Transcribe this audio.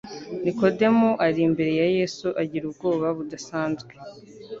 Nikodemu ari imbere ya Yesu agira ubwoba budasanzwe,